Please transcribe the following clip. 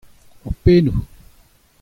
hor pennoù.